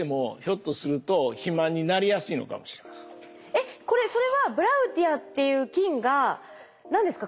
えっこれそれはブラウティアっていう菌が何ですか？